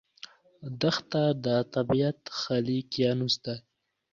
دښته د طبیعت خالي کینوس دی.